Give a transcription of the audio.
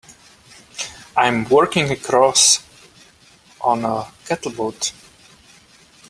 I'm working across on a cattle boat.